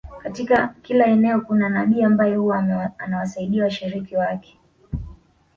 Katika kila eneo kuna nabii ambaye huwa anawasaidia washiriki wake